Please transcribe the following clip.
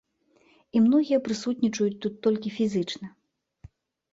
І многія прысутнічаюць тут толькі фізічна.